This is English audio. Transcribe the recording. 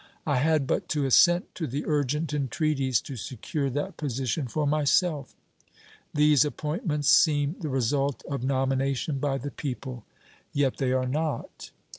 I had but to assent to the urgent entreaties to secure that position for myself. These appointments seem the result of nomination by the people. Yet they are not!"